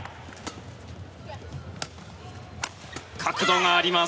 角度があります。